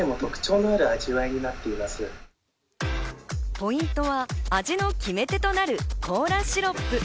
ポイントは味の決め手となるコーラシロップ。